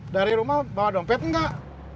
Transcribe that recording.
dari rumah bawa dompet enggak